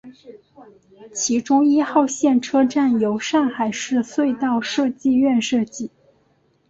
其中一号线车站由上海市隧道设计院设计。